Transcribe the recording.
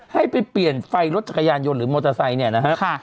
ให้ไปเปลี่ยนไฟรถจักรยานยนต์หรือมอเตอร์ไซค์เนี่ยนะฮะ